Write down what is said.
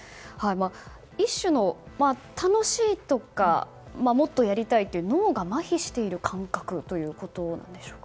一種の楽しいとかもっとやりたいという脳がまひしている感覚ということなんでしょうか。